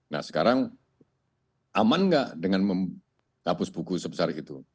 nah sekarang aman enggak dengan hapus buku sebesar itu